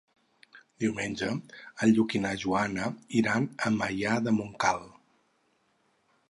Diumenge en Lluc i na Joana iran a Maià de Montcal.